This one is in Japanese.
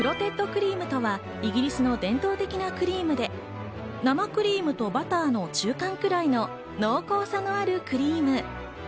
クリームとはイギリスの伝統的なクリームで、生クリームとバターの中間くらいの濃厚さのあるクリーム。